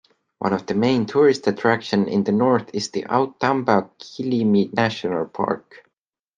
One of the main tourist attraction in the North is the Outamba-Kilimi National Park.